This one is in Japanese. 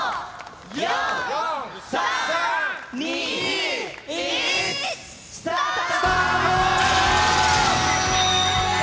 ４、３、２、１、スタート！